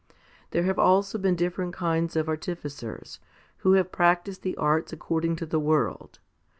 There have also been different kinds of artificers, who have practised the arts according to the world.